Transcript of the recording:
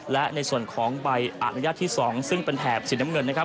และในส่วนของใบอนุญาตที่๒ซึ่งเป็นแถบสีน้ำเงินนะครับ